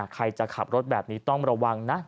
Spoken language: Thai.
ใครจะขับรถแบบนี้ต้องระวังนะ